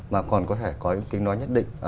mà còn có thể có những kính nói nhất định